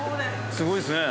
すごいっすね。